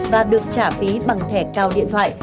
và được trả phí bằng thẻ cao điện thoại